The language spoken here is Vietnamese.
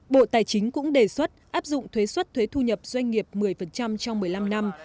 bộ tài chính cũng đề xuất áp dụng thuế xuất thuế thu nhập doanh nghiệp một mươi trong một mươi năm năm